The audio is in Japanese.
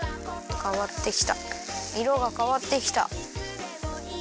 かわってきたいろがかわってきた。